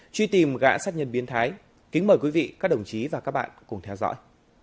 truy tìm gã sát nhân biến thái kính mời quý vị các đồng chí và các bạn cùng theo dõi